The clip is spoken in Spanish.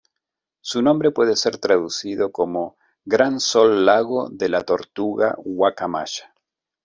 Su nombre puede ser traducido como "Gran Sol Lago de la Tortuga Guacamaya".